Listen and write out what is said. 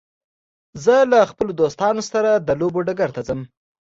زه له خپلو دوستانو سره د لوبو ډګر ته ځم.